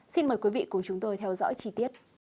xin mời quý vị cùng chúng tôi theo dõi chi tiết